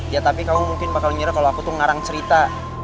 ya tapi kamu mungkin bakal menyerah kalau aku tuh ngarang cerita